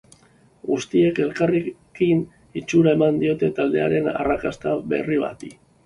Guztiek, elkarrekin, itxura eman diote taldearen arrakasta berri bati.